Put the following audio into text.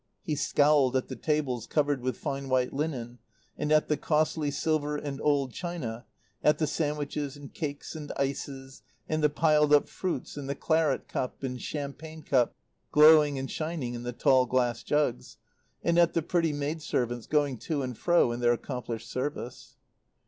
He scowled at the tables covered with fine white linen, and at the costly silver and old china, at the sandwiches and cakes and ices, and the piled up fruits and the claret cup and champagne cup glowing and shining in the tall glass jugs, and at the pretty maidservants going to and fro in their accomplished service.